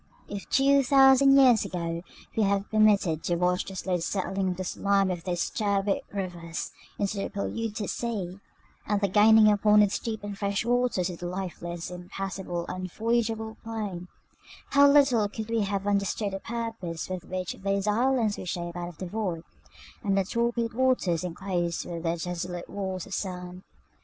If, two thousand years ago, we had been permitted to watch the slow settling of the slime of those turbid rivers into the polluted sea, and the gaining upon its deep and fresh waters of the lifeless, impassable, unvoyageable plain, how little could we have understood the purpose with which those islands were shaped out of the void, and the torpid waters enclosed with their desolate walls of sand!